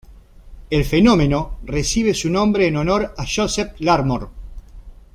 El fenómeno recibe su nombre en honor a Joseph Larmor.